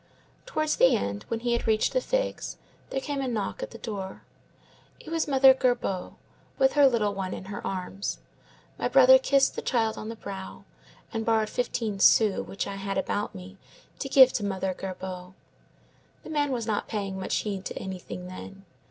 "Towards the end, when he had reached the figs, there came a knock at the door. It was Mother Gerbaud, with her little one in her arms. My brother kissed the child on the brow, and borrowed fifteen sous which I had about me to give to Mother Gerbaud. The man was not paying much heed to anything then.